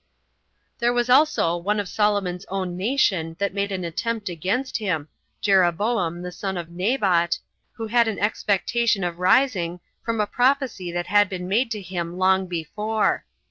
7. There was also one of Solomon's own nation that made an attempt against him, Jeroboam the son of Nebat, who had an expectation of rising, from a prophecy that had been made to him long before.